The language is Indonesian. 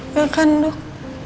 ya kan dok